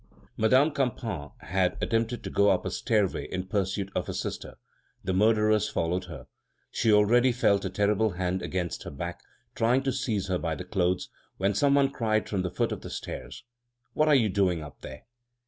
Madame Campan had attempted to go up a stairway in pursuit of her sister. The murderers followed her. She already felt a terrible hand against her back, trying to seize her by her clothes, when some one cried from the foot of the stairs: "What are you doing up there?"